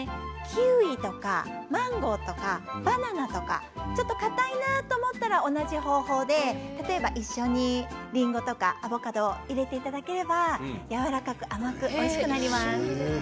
キウイとかマンゴーとかバナナとかちょっとかたいなと思ったら同じ方法で例えば一緒にりんごとかアボカドを入れていただければやわらかく甘くおいしくなります。